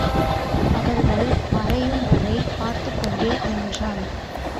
அவர்கள் மறை யும்வரை பார்த்துக்கொண்டே நின்றான்.